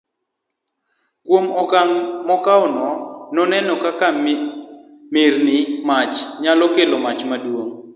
kuom okang' mokuongo noneno kaka mirni mach nyalo kelo mach maduong'